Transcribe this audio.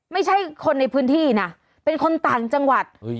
ไม่ใช่คนในพื้นที่นะเป็นคนต่างจังหวัด